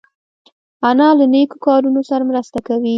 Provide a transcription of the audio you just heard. انا له نیکو کارونو سره مرسته کوي